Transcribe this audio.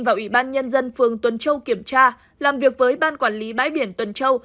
và ủy ban nhân dân phường tuần châu kiểm tra làm việc với ban quản lý bãi biển tuần châu